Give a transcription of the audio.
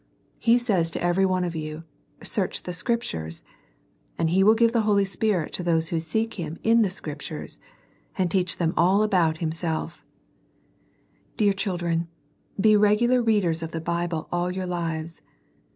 He says to every one of you, " Search the Scriptures," and He will give the Holy Spirit to those who seek Him in the Scriptures, and teach them all about Himsel£ Dear children, be regular readers of the Bible all your lives.